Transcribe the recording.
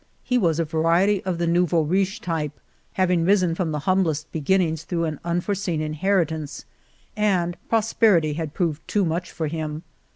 He was a variety of the Nouveau riche type, having risen from the humblest beginnings through an unforeseen inheritance, and pros perity had proved too much for him.